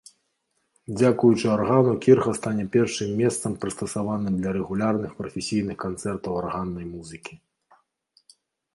Дзякуючы аргану кірха стане першым месцам прыстасаваным для рэгулярных прафесійных канцэртаў арганнай музыкі.